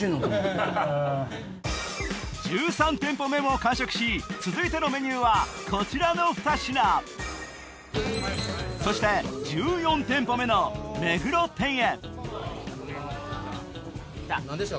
１３店舗目も完食し続いてのメニューはこちらの２品そして何でした？